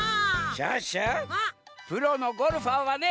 シュッシュプロのゴルファーはね